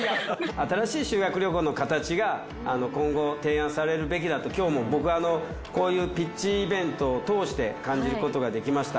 新しい修学旅行のかたちが今後提案されるべきだと今日も僕こういうピッチイベントを通して感じることができました。